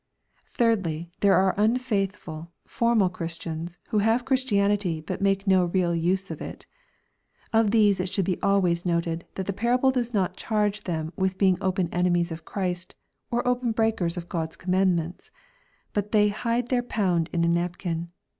Thirdly, there are unfaithful, formal Christians, who have Christianity, but make no real use of it Of these it should be always noted, that the parable does not charge them with being open enemies of Christ, or open breakers of God's commandments. But they " hide their pound in a napkin."